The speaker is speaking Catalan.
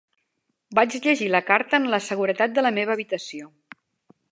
Vaig llegir la carta en la seguretat de la meva habitació.